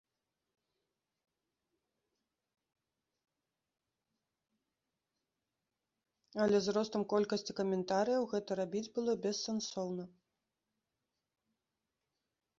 Але з ростам колькасці каментарыяў гэта рабіць было бессэнсоўна.